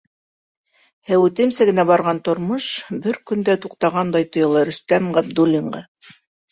Һәүетемсә генә барған тормош бер көндә туҡтағандай тойола Рөстәм Ғабдуллинға.